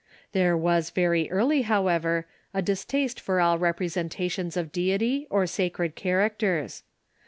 There was very early, however, a distaste for all representations of deity or sacred characters.